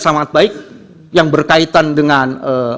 sangat baik yang berkaitan dengan